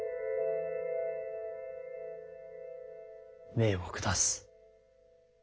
命を下す。